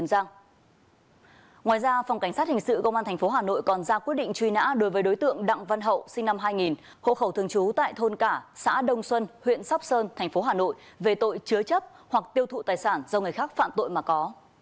ngoài ra phòng cảnh sát hình sự công an tp hà nội còn ra quyết định truy nã đối với đối tượng đặng văn hậu sinh năm hai nghìn hộ khẩu thường trú tại thôn cả xã đông xuân huyện sóc sơn thành phố hà nội về tội chứa chấp hoặc tiêu thụ tài sản do người khác phạm tội mà có